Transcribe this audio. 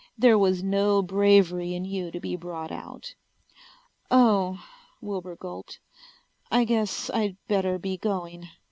There was no bravery in you to be brought out." "Oh," Wilbur gulped. "I guess I'd better be going."